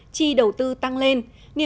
chi đầu tư tăng lên